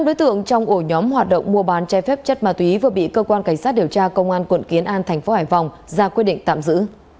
năm đối tượng trong ổ nhóm hoạt động mua bán chai phép chất ma túy vừa bị cơ quan cảnh sát điều tra công an quận kiến an thành phố hải phòng ra quyết định tạm giữ